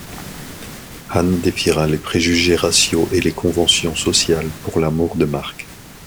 Han défiera les préjugés raciaux et les conventions sociales pour l’amour de Mark.